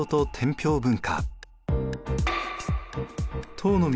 唐の都